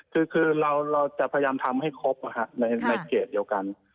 คือเราจะพยายามทำให้ครบในเกรดเดียวกัน